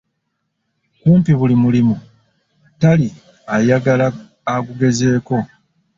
Kumpi buli mulimu tali ayagala agugezeeko.